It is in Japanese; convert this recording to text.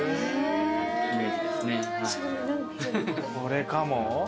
これかも？